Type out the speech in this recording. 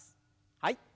はい。